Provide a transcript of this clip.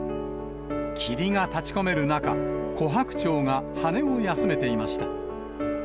霧が立ちこめる中、コハクチョウが羽を休めていました。